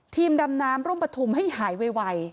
ทีมดำน้ำร่วมประทุมให้หายไว